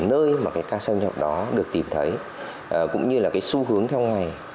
nơi mà cái ca xâm nhập đó được tìm thấy cũng như là cái xu hướng theo ngày